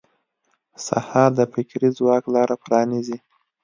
سهار د فکري ځواک لاره پرانیزي.